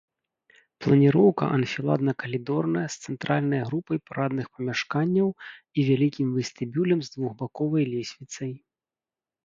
Планіроўка анфіладна-калідорная з цэнтральнай групай парадных памяшканняў і вялікім вестыбюлем з двухбаковай лесвіцай.